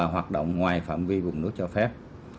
hoạt động ngoài phạm vi vùng nước cho phép